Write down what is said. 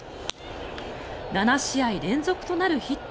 ７試合連続となるヒット。